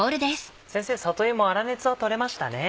先生里芋粗熱は取れましたね。